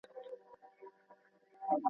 د کتاب ګټه تر نورو څيزونو زياته ده.